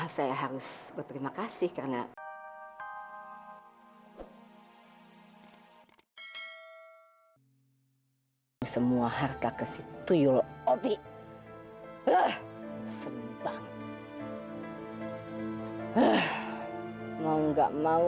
saya harus berterima kasih karena